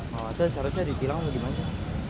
maksudnya seharusnya ditilang bagaimana